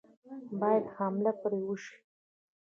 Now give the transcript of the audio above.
باید حمله پرې وشي.